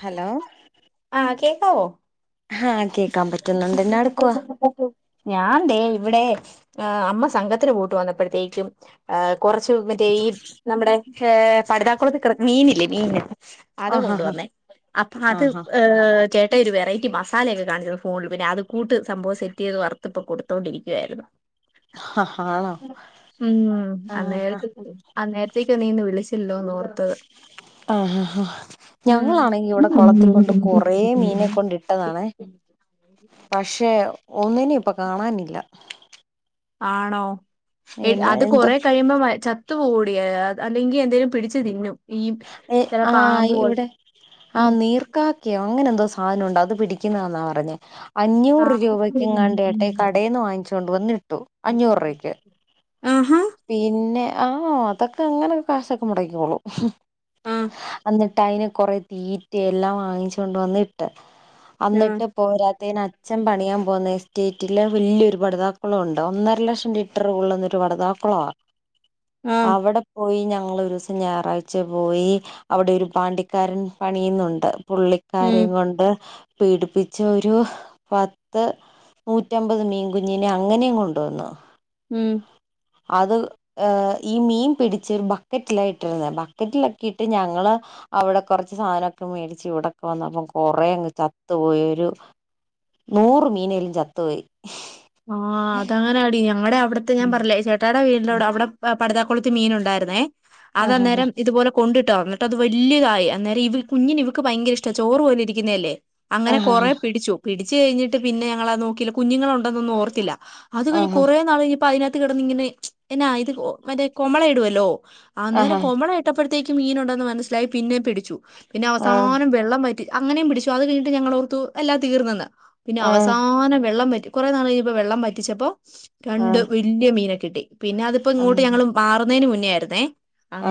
Hello ഓ ആഹ് കേക്കാൻ പറ്റുന്നുണ്ട് എന്നാ എടുക്കുവാ ഞാൻതെ ഇവിടെ ആ അമ്മ സംഘത്തിന് പോട്ട് വന്നപ്പോഴത്തേക്കും ആ കുറച് മറ്റേ ഈ നമ്മുടെ ഹ പഠിതാക്കുളത്ത് മീനില്ലേ മീന് അത് ആഹ് ഹാ കൊണ്ടുവന്നേ അപ്പൊ അത് ആഹ് ഏ ചേട്ട ഒരു വെററ്റി മാസം സഥാലയൊക്കെ [unintelligible] കാണിച്ചരുന്നു ഫോണിൽ പിന്നെ അത് കൂട്ട് സംഭവം സെറ്റ് ചെയ്ത് വറുത്തു ഇപ്പൊ കൊടുത്തോണ്ടിരിക്കുവായിരുന്നു ഹാ ആണോ ഉം ആഹ് അന്നേരത്ത അന്നരത്തേക്ക് നീന്ന് വിളിച്ചല്ലോന്ന് ഓർത്തത് ആഹ് ഹാ ഞങ്ങളാണെങ്കി ഇവിടെ ഉം താണേ പക്ഷെ ഒന്നിനേം- കാണാനില്ല ആണോ എട് എന്ന അത് എന്തോ കൊറേ കഴിയുമ്പം എ ചത്ത് പോവോടീ [unintelligible] ല്ലെങ്കി എന്തേലും പിടിച്ച് തിന്നും ഈ ഏഹ് ചില പാമ്പ് ആഹ് പോൽ ഇവിടെ ആ നീർക്കാ ക്കയോ അങ്ങനെ എന്ത സാനൊണ്ടോ അത് പിടിക്കുന്നാന്നാ പറഞ്ഞേ അഞ്ഞൂറ് രൂപയ്ക്ക് എങ്ങാണ്ടേട്ടെ കടയിൽന്ന് വാങ്ങിച്ച് കൊണ്ട് വന്ന്‌ ഇട്ടു അഞ്ഞൂറൂപയ്ക്ക് ആഹ പിന്നെ ആ അതൊക്കെ അങ്ങനെ കാശൊക്കെ മൊടക്കിക്കോളും ആ അന്ന് ട്ടയ്ന് കൊറെ തീറ്റയും എല്ലാം വാങ്ങിച്ച് കൊണ്ട് വന്നിട്ട് ആ അന്നിട്ട് പോരാത്തേന് അച്ഛൻ പണിയാൻ പോന്ന എസ്റ്റേറ്റില് വെല്യൊരു പടുതാക്കൊളണ്ട് ഒന്നര ലക്ഷം ലിറ്റർ കൊള്ളുന്നൊരു പടുതാ ക്കൊളാ ആ അവിടെ പോയി ഞ ഞങ്ങളൊരുസം ഞായറാഴ്ച പോയി അവിടെ ഒരു പാണ്ടിക്കാരൻ പണിയുന്നുണ്ട് ഉം പുള്ളിക്കാരേം കൊണ്ട് പീടിപ്പിച്ച ഒരു പത്ത് നൂറ്റമ്പത് മീൻകുഞ്ഞിനെ അങ്ങനെം കൊണ്ടുവന്നു ഉം അത് ഏഹ് ഈ മീൻ പിടിച്ച് ബക്കറ്റില ഇട്ടിരുന്നെ ബക്കറ്റിലൊക്കെ ഇട്ട് ഞങ്ങള് അവ്ടെ കൊറച്ച് സാനൊക്കെ മേടിച്ച് ഇവിടൊക്കെ വന്നപ്പം കൊറേ അങ്ങ് ചത്തുപോയി ഒരു നൂറ് മീനേലും ചത്തുപോയി ആഹ് അതാങ്ങനെടി ഞങ്ങടെ അവിടെ ഞാൻ പറിഞ്ഞില്ലേ ചേട്ടാ ഉണ്ട് അവിടെ അവിടെ പ്പേ പടതാ കുളത്ത് മീന്നുണ്ടായിരുന്നേ അത് ആഹ് ഹ അന്നേരം ഇതുപോലെ കെണ്ട് ഇട്ടാആന് അത് വല്യയതായി അന്നേരം ഇ കുഞ്ഞിന് ഇവക്ക് ഭയങ്ക ഇഷ്ടാ ചോറ് പോലെ ഇരിക്കുന്നല്ലേ അങ്ങനെ ആഹ് കൊറ ഹ പിടിച്ചു പിടി വച്ച് കഴിഞ്ട്ട് പിന്നെ ഞങ്ങള നോക്കില്ല കുഞ്ഞുങ്ങളണ്ട് ണ്ടതെന്നും ഓർത്തില്ല അത് കഴിഞ് ആഹ് കുറേ നാള് കഴിഞ്ഞ് അപ്പോ അതിനകത്ത് കത്ത് കിടന്ന് ഇങ്ങനെ ഇത് നായത് [unintelligible] കൊമള ഇടുവല്ലോ അന്നേരം ആഹ് ആഹ് കൊമള ഇട്ടപ്പെഴ് ത്തേക്കും മീനുണ്ടെന്ന് മനസ്സിലായി പിന്നെ പിടിച്ചു പിന്നെ ഹാ അവസാനം വെള്ളം വ അങ്ങനെയും പിടിച്ചു അത് കഴിഞ്ഞിട്ട് ഞങ്ങളോർത്തു എല്ലാം തീർന്നെന്ന് പിന്നെ ആഹ് അവസാനം വെള്ളം പറ്റും കുറേ നാള് കഴിഞ്ഞപ്പോൾ വെള്ളം വറ്റിച്ചപ്പോ രണ്ട് ആഹ് വല്യ മീനെ കിട്ടി പിന്നെ അതിപ്പോ ആഹ് ഇങ്ങോട്ട് ഞങ്ങള് മാറ് ന്നേന് മുന്നെയായിരുന്നേ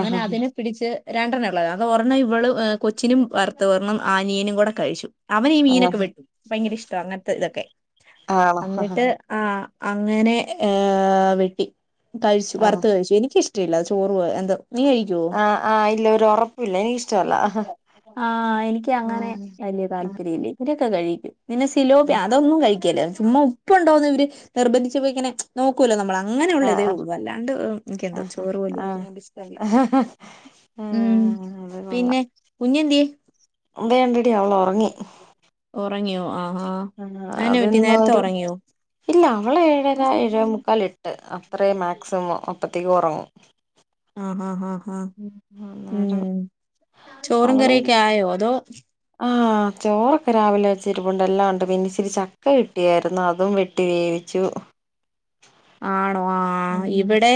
ആഹ് ആഹ് അതിനെ പിടിച്ച് രണ്ടെണ്ണേ ഉള്ളാരുന്ന് അത് ഒരെണ്ണം ഇവള് കൊച്ചിനും വറുത്തു ഒരെണ്ണം അനിയനും കൂടെ കഴിച്ചു അവന് ഈ മീനൊക്കെ വെ ഭയങ്കര ഇഷ്ടവാ അങ്ങനെ ത്ത് ഇതൊക്കെ ആണോ ആഹ് അന്നിട്ട് ആഹ് അങ്ങനെ ഏഹ് വെട്ടി കഴിച്ചു ആഹ് വറുത്ത് കഴിച്ചു എനിക്കിഷ് ടവില്ല അത് ചോറും എന്ത് നീ കഴിക്കുവോ ആഹ് ഇല്ല ഒരു ഉറപ്പില്ല എനിക്കിഷ്ടമല്ല ആഹ് എനിക്ക് അങ്ങനെ ഉം വല്യ താല്പര്യം ഇല്ല ഇവര് ക്കെ കഴിക്കും പിന്നെ സിലോപ്പിയ ഉം അതൊന്നും കഴി കേല ചുമ്മാ ഉപ്പ് ഉണ്ടോന്ന് ഇവര് നിർബന്ധിച്ചപ്പോ ഇങ്ങനെ നോക്കൂല്ലോ നമ്മള് അങ്ങനെയുള്ള ഇതേ ആഹ് ഉള്ളൂ അല്ലാണ്ട് എനിക്കെന്തോ ആഹ് ചോറ്പോലെ ആഹ് ഇരിക്കുന്ന കൊണ്ട് ഇഷ്ട അല്ല ആഹ് ഉം അത് കൊള്ളാം പിന്നെ കുഞ്ഞെന്തിയേ [unintelligible] അവള് ഉറങ്ങി റങ്ങിയോ ആഹ് ആഹ് അതെന്നാ പറ്റി അതെന്നും നേരത്തെ ഒര് ഉറങ്ങിയോ ഇല്ല അവള് ഏഴര ഏഴേ മുക്കാൽ എട്ട് അഹ് അത്രയും മാക്സിമം അപ്പഴത്തേക്ക് ഉറങ്ങും ആഹ് ഹാ ഹാ ആഹ് അന്നേരം ഉം ചോറും അവള് കറിയൊക്കെ ആയോ അതോ ആഹ് ചോറൊക്കെ രാവിലെ വെച്ചെ ഇരിപ്പുണ്ട് എല്ലാം ഉണ്ട് പിന്നെ ഇച്ചിരി ചക്ക കിട്ടിയായിരുന്നു അതും വെട്ടി വേവിച്ചു ആണോ ആ ഉം ഇവിടെ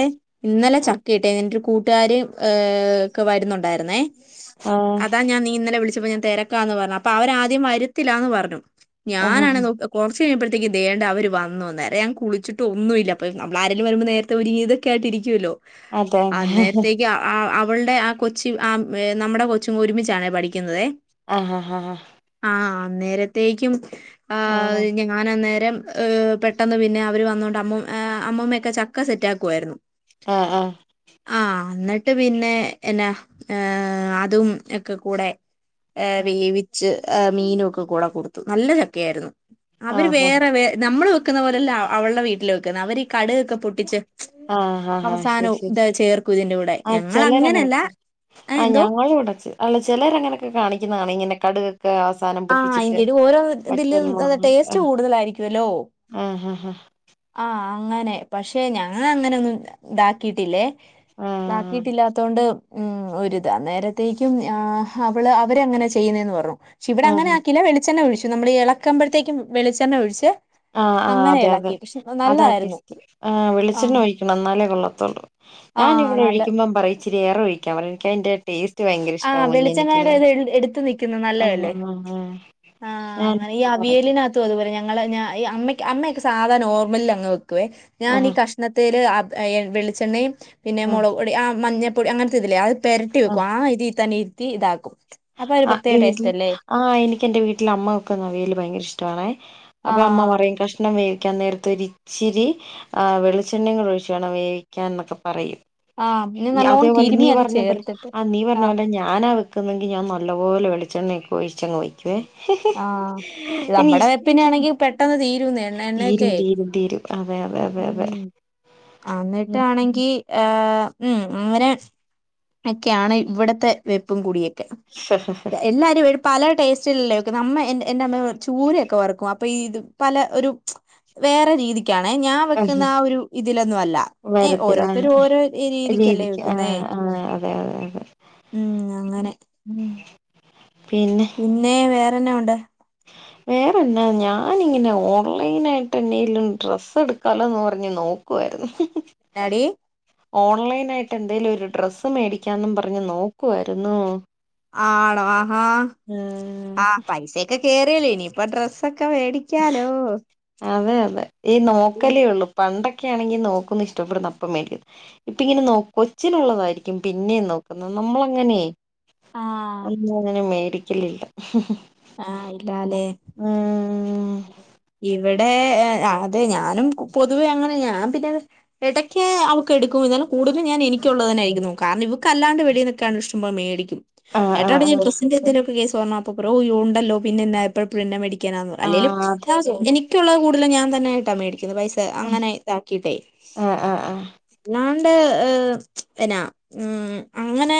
ഇന്നലെ ചക്ക ഇട്ടിയാരുന്നു എന്റെ ഒരു കൂട്ട് കൂട്ടുകാര് ഏ ഒക്കെ വരുന്നുണ്ടായിരുന്നേ ആഹ് അതാ ഞാൻ നീ ഇന്നലെ വിളിച്ചപ്പോ ഞാൻ തിരക്കാന്ന് പറഞ്ഞു അപ്പൊ അവര് ആദ്യം വരുത്തില്ലാന്ന് പറഞ്ഞു ആഹ് ഞാനാണ് ആഹ് നോക് കെറ ചെയ്യുമ്പഴത്തേക്കും ദേണ്ട് അവര് വന്നു അനേരം ഞാൻ കുളിച്ചിട്ടും ഒന്നുമില്ല അപ്പ നമ്മൾ ആരെലും വരുമ്പോ നേത്തെ ഒരുങ്ങി ഇതക്കെ ആയിട്ട ഇരിക്കുമല്ലോ അതെ ആന്നേരത്തേക്ക് ആ ആ അവളുടെ ആ കൊച്ച് ആ നമ്മുടെ കൊച്ചും ഒരുമിച്ചാണ് പഠിക്കുന്നുന്നത് ആഹ് ആഹ് ആഹ് ആഹ് നേരത്തേക്കും ആ ഞാൻ അന്നേരം പെട്ടെന്ന് പിന്നെ അവര് വന്നൊണ്ട് അമ്മ ഹ് അമ്മുമ്മയൊക്കെ ചക്ക സെറ്റാ ക്കുവായിരുന്നു ആഹ് ആഹ് എന്നിട്ട് പിന്നെ എന്നാ അതും യെക്കെ കൂടെ ഏ വേവിച്ച് മീനൊക്കെ കൂടെ കൊടുത്തു നല്ല ചക്കയായിരുന്നു അവര് ആഹ് വേറെ വേ നമ്മള് വെ - വെക്കുന്ന പോലലല്ല അവളുടെ വീട്ടില് അവര് ഈ കടുകൊക്കെ പൊട്ടിച്ച് ഇടും ആ ആഹാ ഹാ ശരി ശരി ചേർക്കും ഇതിന്റെ കൂടെ ആ ചിലരങ്ങനെ ഞങ്ങളങ്ങനല്ല ആ ഏഹ് എന്തോ ഞങ്ങള് ഇവിട ചിലര് അങ്ങനെയൊക്കെ കാണിക്കുന്നത് കാണാം ഇങ്ങനെ കടുക ആഹ് അയിന്റ ഒരു ഓരോ ഇതില് വറ്റൽ മുളക് ടേസ്റ്റ് ആഹ് കൂടുതലായിരിക്കുംല്ലോ ആഹ് ആഹ് ആ അങ്ങനെ പക്ഷെ ഞാൻ അങ്ങനെ ഒന്നും ഇതാക്കിട്ടില്ലേ ആഹ് ഒണ്ടാക്കിയിട്ടില്ലാത്തൊണ്ട് ഉം ഒരു അന്നേരത്തേക്കും അവള് അവര് അങ്ങനെ ചെയ്യുന്നതന്ന് പറഞ്ഞു ക്ഷെ ഇവിടെങ്ങനെ ഉം ആക്കീല്ല വെളിച്ചെണ്ണ ഒഴിച്ചു നമ്മളീ എളക്കുമ്പോഴത്തേക്കും വെളിച്ചെണ്ണ ഒഴിച്ച് ആ ആ അങ്ങനെ അതെ അതെ ഇളക്കി പക്ഷെ അതാ നല്ലതായിരുന്നു ട്വിസ്റ്റ് ആ വെളിച്ചെണ്ണ ആഹ് ഒഴിക്കണം എന്നാലേ കൊള്ളത്തുള്ളൂ ഞാൻ ആഹ് ഇവിടെ നല്ല ഒഴിക്കുമ്പം പറയും ഇച്ചിരി ഏറെ ഒഴിക്കാൻ പറയും ഇൻക്ക തിന്റെടേസ്റ്റ് ഭയങ്കര ഇഷ്ടമാ ആഹ് മുന്നേ വെളിച്ചെണ്ണയുടെ നിക്കുന്നു ഇത് എടുത്ത് നിൽക്കുന്ന ആ നല്ലതല്ലേ ആ ആഹ് അങ്ങനെ ഈ അവിയേലിനകത്തും അതുപോല ഞങ്ങൾ ഞ അമ്മ അമ്മയക്കെ സാധ നോർമല അങ്ങ് വെക്കുവെ ഞാൻ ഈ ആഹ് കഷ്ണതേല് വെളിച്ചെണ്ണയും പിന്നെ ആഹ് മുളക് പൊടി ആ മഞ്ഞ പൊടി അങ്ങനത്തെ ഇല്ലേ അത് പെരട്ടി വെകും ആ ഇതി തന്നെ [unintelligible] ഇതാക്കും അപ്പൊ ഒരു ആ പ്രത്യേക ടേസ്റ്റ് വീട്ടില് അല്ലേ ആ എനിക്ക് എന്റെ വീട്ട അമ്മ വെക്കുന്ന അവിയൽ ഭയങ്കര ഇഷ്ടണേ അപ്പൊ അമ്മ ആഹ് പറയും കഷണം വേ വേവിക്കാൻ നേരത്തെ ഇച്ചിരി വെളിച്ചെണ്ണ കൂടി ഒഴിച്ച് വേണം വേവിക്കാ എന്നൊക്കെ പറയും ആഹ് പിന്നെ നല്ലോണം അതേപോലെ നീ തിരുമി അത് പറഞ്ഞപ്പോലെ ചേർത്തിട്ട് ആ നീ പറഞ്ഞ ആഹ് പോലെ ഞാനാ വെക്കുന്നത് ഞാൻ നല്ലപോലെ വെളിച്ചെണ്ണ ഒക്കെ ഒഴിച്ച് ആഹ് എനി നമ്മുടെ ഇഷ്ട വെപ്പിനൊണെങ്കിൽ പെട്ടെന്ന് തീ തീരും തീരും തീരും അതെ അതെ അതെ അതെ അന്നിട്ടാണെങ്കി ഹേ ഉം അങ്ങനെ ഒക്കെയാണ് ഇവിടത്തെ വെപ്പും കൂടിയൊക്കെ ആ പല ടേസ്റ്റുകളിലല്ലേൊക്കെ അമ്മ എ എൻ്റെ അമ്മ ചൂര ഒക്കെ വറകും ഇപ്പൊ ഇത് പല ഒരു വേറെ രീതിക്കാണ് ഞാൻ വെക്കുന്ന ആ ഒരു ഇതിലൊന്നും അല്ല ഏ വരത്തില്ല ഓരോരുത്തരും ഓരോ രീതിക്കല്ലേ വേവിക്ക ആ വെക്കുന്നേ ആ അതെ അതെ അതെ ഉം അങ്ങനെ പിന്നെ വേറെ പിന്നെ എന്നാഉണ്ട് വേറെന്നാ ഞാനിങ്ങനെ ഓൺലൈൻ ആയിട്ട് എതെലും ഡ്രസ് എടുക്കാലോന്ന് പറഞ്ഞ് നോക്കുവായിരുന്നു എന്നാടി ഓൺലൈൻ ആയിട്ട് എന്തേങ്കലും ഒരു ഡ്രസ്സ് മേടിക്കാെന്നും പറഞ്ഞ് നോക്കുായിരുന്നു ആണോ ആഹാ ആഹ് പൈസക്കെ കേറിയല്ലോ ഇനി ഇപ്പൊ ഡ്രസ് അതെ അതെ ഈ ഉം നോക്കലേള്ളു പണ്ടോ ഒക്കെ ആണെങ്കി നോക്കുന്നു ഇഷ്ടപ്പെടുന്ന അപ്പം മേടികും ഇപ്പ ഇങ്ങനെ കൊച്ചിനുള്ളതായിരിക്കും പിന്നെയ നോക്കുന്നത് നമ്മള അങ്ങനെയെ ആഹ് [unintelligible] പിടിക്കലില്ല ഹ ആയി ല്ലാല്ലേ ഇവിടെ അതെ ഞാനും പൊതുവേ അങ്ങനെ ഞാൻ പിന്നെ ഇടയ്ക്ക് അവക്ക് എടുക്കും എന്നാലും കൂടുതൽ ഞാൻ എനിക്കുള്ളതിനായിരുന്നു കാരണം ഇവക്കല്ലാണ്ട് വെളിയിനിന്ന് ഇഷ്ടം പോലെ മേടിക്കും ആഹ് ഏട്ടനോട് ആഹ് ആഹ് ഞാൻ ഡ്രസ്സിന്റെ വേല്ല കേസ് [inaudible] ഉണ്ടല്ലോ പിന്നെ എന്തിനാ എപ്പ എഴെ മേടി. ആന്ന് പറ അല്ലെലും ആഹ് അത് എനിക്ക് ള്ളത് കൂടുതൽ ഞൻ തന്നായിട്ടാ മേടി പൈസ അങ്ങനെ ഇതാക്കിട്ടെ ആഹ് ആഹ് ആഹ് നാ ണ്ട് പിന്നെ ഉ അങ്ങനെ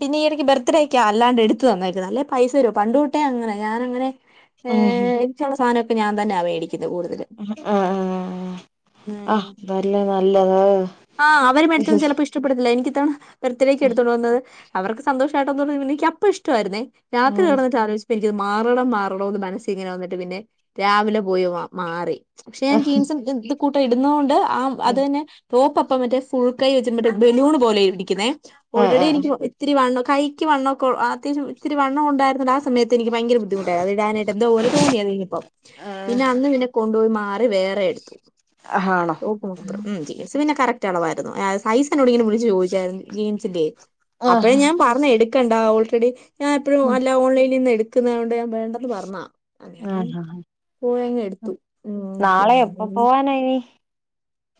പിന്നെ ഈടക്ക് ബർത്ത്ഡേക്കാ അല്ലാണ്ട് എടുത്തു തന്നേരിക്ക നല്ലേ പൈസ തരും പണ്ട് കതൊട്ടേ അങ്ങനെ ഞാനങ്ങനെ എഹി സാധനൊക്കെ ഞാൻ തന്നാ മേടി ആ ആ ഉം ആഹ് തല്ലെ നല്ലത് താ ബർത്ഡേയ്ക്ക് ഉം എടുത്തൊണ്ട് വന്നത് അവർക്ക് സന്തോഷമായിട്ടന്നോന്നു എനിക്കപ്പം ഇഷ്ടമായിരുന്നേ രാത്രി കടന്നിട്ട് ആലോചിച്ചു എനിക്കത് മാറണം മാറണംന്ന് മനസിൽ ഇങ്ങനെ പിന്നെ രാവിലെ പോയി മാറി പക്ഷെ ഞാൻ ആഹ് ജീൻസും ഇടും കൂട്ട ഇടുന്നൊണ്ട് ആ അതനെ ടോപ് മറ്റേ ഫുൾക്കൈ വെച്ച് മറ്റേ ബലൂൺ പോലെ ഇിക്കുന്നേ ഓൾറെഡി എനിക്ക് ആഹ് ഇത്തിരി വണ്ണം കൈക്ക് വണ്ണക്കോ ഒത്തിരിത്തിരി വണംണ്ടായിരുന്ന ആ സമയത്ത് എനിക്ക് ഭയങ്ക ബുദ്ധിമുട്ടായി ഇടനായിട്ട് എന്തോ പോലെ തോന്നിയനിപ്പ പിന്നെ അന്ന് പിന്നെ കൊണ്ടു പോയി മാറി വേറെ എടുത്തു ആഹ് ആണോ ജീൻസ് പിന്നെ കറക്റ്റ് ആളവായിരു [inaudible] സൈസ് എന്നോണ്ട് ഇങ്ങനെ വിളിച്ചു ചോദിച്ചായിരുന്നു ജീൻസിന്റെ അപ്പോഴേ ആഹ് ഞാൻ പറഞ്ഞേ എടുക്ക്ണ്ടാ ഓൾ എടി ഞാൻ എപ്പഴും ഉം അല്ല ഓൺലൈൽ നിന്ന് എടു ക്ക്ന്നയോണ്ട് വേണ്ടെന്ന് പറന്നാ അന്നേരം ആഹ് ആഹ് പോയങ്ങ് എടുത്തു ഉം നാളെ പിന്നെ എപ്പ എന്തരു പോവാനാ ഇനി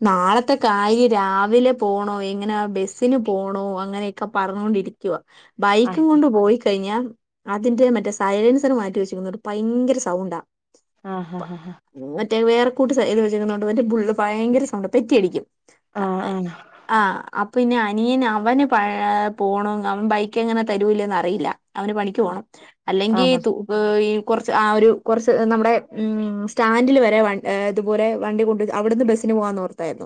നാളത്തെ കാര്യം രാവിലെ പോണോ എങ്ങനാ ബസ്സിന് പോണോ അങ്ങനെയൊക്കെ പറഞ്ഞോണ്ടിരിക്കുവാ. ബൈക്കും ആഹ് കൊണ്ട് പോയി കഴിഞ്ഞാ അതിന്റെ മറ്റേ സൈലൻസറ് മാറ്റി വെച്ചക്കുന്നോണ്ട് ഭയങ്കര സൗണ്ടാ ആഹ് പ്പ ആഹ് ഉം മറ്റേത് വേറെ പൂട്ട് സൈ [unintelligible] വച്ചേക്കുന്നോണ്ട് വല്ല്യ ബുള്ള് ഭയങ്കര സ് സൗണ്ടാ പെറ്റിയടിക്കും. ആഹ് ആഹ് ആഹ് ആ അപ് പിന്നെ അനിയന് അവന് പ പോണം അവൻ ബൈക്ക് എങ്ങന തരൂലേന്ന് അറിയില്ല. അവന് പണിക്ക് പോണം അല്ലെങ്കി ആഹ് തു ഈ കൊറച്ച് ആ ഒരു കൊറച്ച് നമ്മുടെ ഉം സ്റ്റാൻഡിൽ വരെ വ ഇതുപോലെ വണ്ടി കൊണ്ട് അവിടുന്ന് ബസ്സിന് പോവാന്നോർ ത്തായ്ര്ന്നു.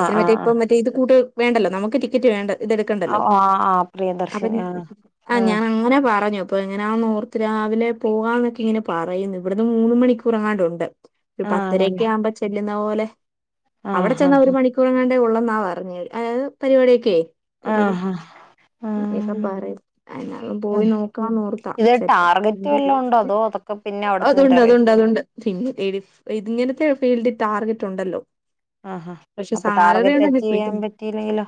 ആഹ് മറ്റേ ആഹ് ഇപ്പം മറ്റേ ഇത് കൂട്ട് വേണ്ടല്ലോ നമുക്ക് ടിക്കറ്റ് വേണ്ട് ഇതെടുക്കണ്ടല്ലോ ആഹ് ആഹ് അവൻ പ്രിയദർശിനി ആ ആഹ് ഞാൻ അങ്ങനെ പറഞ്ഞു ഇപ്പൊ എങ്ങനെയാന്നോർത്ത് രാവിലെ പോകാന്നെക്കെ ഇങ്ങനെ പറയ്ന്ന് ഇവിടന്ന് മൂന്ന് മണിക്കൂറെങ്ങാണ്ട് ഉണ്ട്. ഒരു ആണല്ലേ പത്തരെയക്കെ ആവുമ്പോ ചെല്ലു ന്ന പോലെ അവിടെ ആഹ് ചെന്ന ഒരു മണിക്കൂറങ്ങാണ്ടേ ഒള്ള ന്നാ പറഞ്ഞെ അയായത് പരിപാടിയെക്കെ ആഹ് ആഹ് [unintelligible] എന്നാണെലും ഉം പോയി നോക്കാന്നോർത്താ ഇത് സെറ്റാ ടാർഗറ്റ് വല്ലോം ഉണ്ടോ അതോ അതൊക്കെ പിന്നെ അവിടെ ചെന്നിട്ട് അതൊണ്ട് അറിയ അതൊണ്ട് അതൊണ്ട് പിന്നെ ഇല്ലേടി ഇതിങ്ങനത്തെ ഫീൽഡി ടാർഗറ്റ് ഒണ്ടല്ലോ ആഹ് പക്ഷേ അപ്പൊ സാലറി ടാർഗറ്റ് ഒണ്ടങ്കി അച്ചീവ് ചെയ്യാൻ [unintelligible] പറ്റിയില്ലെങ്കിലോ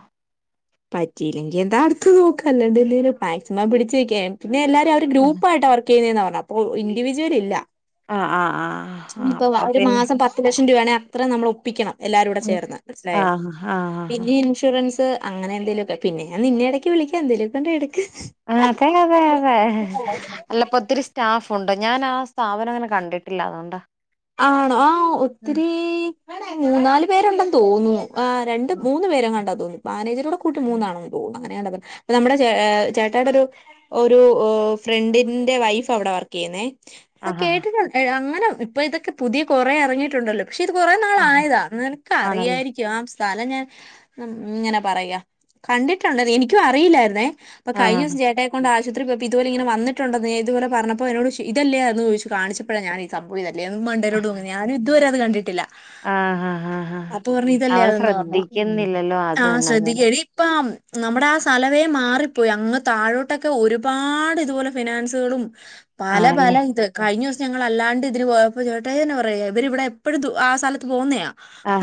പറ്റില്ലെങ്കി എന്താ അടുത്ത് നോക്കാ അല്ലാണ്ട് [unintelligible] മാക്സിമം പിടിച്ച് നിക്കാൻ പിന്നെ എല്ലാരും അവര് ആഹ് ഗ്രൂപ്പായിട്ടാ വർക്ക് ചെയ്യുന്നെന്നാ പറഞ്ഞെ അപ്പോ ഇൻഡിവിജ്വൽ ഇല്ല ആഹ് ആഹ് ആഹ് ആഹ് അപ്പ പിന്നെ അത്രേം നമ്മള് ഒ പ്പിക്കണം എല്ലാരുടെ ഉം ചേർന്ന് മനസ്സിലായോ ആഹ് ആഹ് ആഹ് പിന്നെ ഇൻഷുറൻസ് അങ്ങനെ എന്തേലുവെക്കെ പിന്നെ ഞാൻ നിന്നെ എടക്ക് വിളിക്കാം എന്തേലുവേക്കെ ഒണ്ടേ എടു ആഹ് അതെ അതെ അതെ അല്ലപ്പോ ഒത്തിരി സ്റ്റാഫ് ഒണ്ടോ ഞാനാ സ്ഥാപനങ്ങനെ കണ്ടിട്ടില്ല അതുകൊണ്ടാ ആണോ ആ ഉം ഒത്തിരി മൂന്നാല് പേരുണ്ടെന്ന് തോന്നുന്നു ആ രണ്ട് മൂന്ന് പേരെങ്ങാണ്ടാന്ന് തോന്നുന്നു. മാനേജറ് [unintelligible] കൂട്ടി മൂന്നാണെന്ന് തോന്നുന്നു അങ്ങനെയാണത് നമ്മുടെ ചേട്ടായിയുടെ ഒരു ഒരു ഫ്രണ്ടിന്റെ വൈഫ് അവിടാ വർക്ക് ചെയ്യുന്നേ ആ ആഹ് ആഹ് കേട്ടിട്ടുണ്ട് അങ്ങനെ അപ്പം ഇതൊക്കെ പുതിയ കുറേ ഇറങ്ങിയിട്ടുണ്ടല്ലോ പക്ഷേ ഇത് ആഹ് കുറേനാളായതാ ആണല്ലേ നിനക്കറിയായിരിക്കും ആ സ്ഥലം ഞാൻ എങ്ങനെ പറയാ കണ്ടിട്ടുണ്ട് അത് എനിക്കും അറിയില്ലായിരുന്നേ അപ്പൊ ആഹ് കഴിഞ്ഞദിവസം ചേട്ടായിയെക്കൊണ്ട് ആ ഇത്ര പേർക്ക് ഇതുപോല ഇങ്ങനെ വന്നിട്ടുണ്ടെന്ന് ഇതുപോലെ പറഞ്ഞപ്പോ എന്നോട് ചോദിച്ച് ഇതല്ലേ അതെന്ന് ചോദിച്ച് കാണിച്ചപ്പോളാ ഞാനീ സംഭവം ഇതെ എന്നും മണ്ടേലോട്ട് നോക്കും ഞാനിതുവരെ അത് അത് കണ്ടിട്ടില്ല ആഹ് ആഹ് ആഹ് അപ്പോ പറഞ്ഞു ഇതല്ലേ നമ്മള് അതെന്ന് പറഞ്ഞു ശ്രദ്ധിക്കുന്നില്ലല്ലോ അത് ആ തന്നെ അത് തന്നെ ശ്രദ്ധിക്ക് എടീ ഇപ്പം നമ്മുടെ ആ സ്ഥലവേ മാറിപ്പോയി അങ്ങ് താഴോട്ടൊക്കെ ഒരുപാട് ഇതുപോലെ ഫിനാൻസുകളും പല പല ആണല്ലേ ഇത് കഴിഞ്ഞ ദിവ ഞങ്ങളല്ലാണ്ടിതിന് പോ അപ്പംചേട്ടായെന്നെ പറയാ അവരിവിടെ എപ്പഴും ആ സ്ഥലത്ത് പോന്ന്യ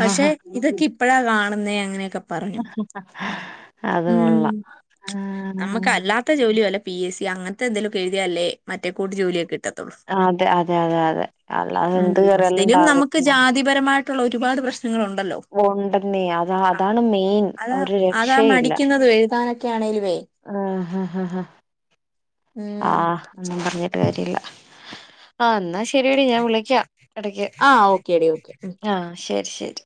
പക്ഷേ ഇതൊക്കെപ്പ്‌ ഇപ്പഴാ കാണുന്നേ അങ്ങനെയൊക്കെ പറഞ്ഞു അത് ഉം കൊള്ളാം. ആഹ്. നമ്മുക്കല്ലാത്ത ജോലി വല്ലതും പി എസ്സി അങ്ങൻത്തെ എന്തെലൊക്കെ എഴുതിയാല് അ അതെയതെ അതെ അതെ അ ഉം വിളിച്ചില്ലെങ്കിലും നമുക്ക് ജാതിപരമാ ആയിട്ടുള്ള ഒരുപാട് പ്രശ്ന ഉണ്ടെന്നേ അതാ അതാണുമെയിൻ ഒരു രക്ഷല്ല ക്ക്യാണേലും ആ ഹ് ഹ ഹ ആ ഉം ന്നും പർഞ് കാര്യല്ല ആഹ് എന്നാ ശെരിയെടി ഞാൻ വിളിക്കാം. എടക്ക് ആഹ് ഓക്കേടി ഓക്കെ ആ ശെരി ശെരി